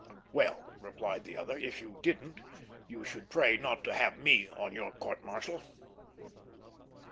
"Well," replied the other, "if you didn't, you should pray not to have me on your court martial."